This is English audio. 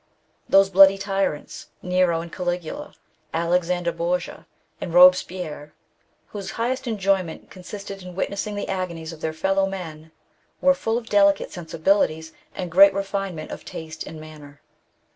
Those bloody tyrants, Nero and Caligula, Alexander Borgia, and Eobespierre, whose highest enjoyment con sisted in witnessing the agonies of their fellow men, were full of delicate sensibilities and great refinement of taste and manner.